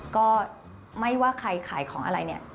ก็ไม่ว่าใครขายของอะไรเนี่ย